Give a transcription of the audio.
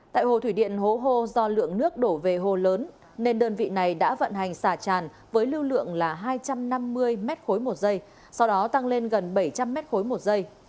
tại hồ thủy điện hố hô do lượng nước đổ về hồ lớn nên đơn vị này đã vận hành xả tràn với lưu lượng là hai trăm năm mươi m ba một giây sau đó tăng lên gần bảy trăm linh m ba một giây